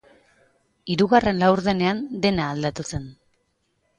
Hirugarren laurdenean dena aldatu zen.